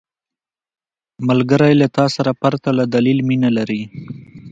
ملګری له تا سره پرته له دلیل مینه لري